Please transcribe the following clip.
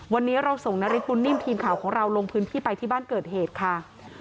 วันนี้เราส่งนฤทธบุญนิ่มทีมข่าวของเราลงพื้นที่ไปที่บ้านเกิดเหตุค่ะ